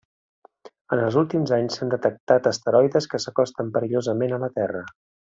En els últims anys s'han detectat asteroides que s'acosten perillosament a la Terra.